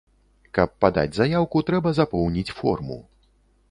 Каб падаць заяўку, трэба запоўніць форму.